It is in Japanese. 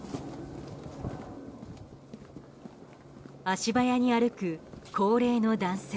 足早に歩く高齢の男性。